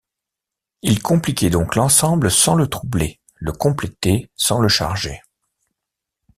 Ils compliquaient donc l’ensemble sans le troubler, le complétaient sans le charger.